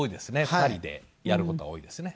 ２人でやる事が多いですね。